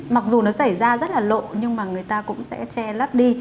mặc dù nó xảy ra rất là lộ nhưng mà người ta cũng sẽ che lắp đi